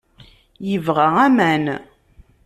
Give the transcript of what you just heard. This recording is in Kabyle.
Yebɣa aman.